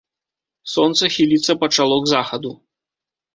Сонца хіліцца пачало к захаду.